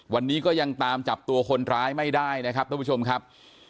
วันนี้ก็ยังตามจับตัวคนร้ายไม่ได้นะครับท่านผู้ชมครับ